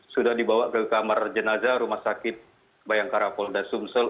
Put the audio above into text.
sudah dibawa ke kamar jenazah rumah sakit bayangkara polda sumsel